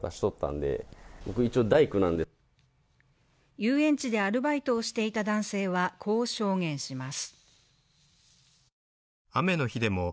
遊園地でアルバイトをしていた男性は、こう証言します。